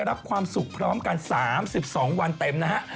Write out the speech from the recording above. รับความสุขพร้อมกัน๓๒วันเต็มนะฮะ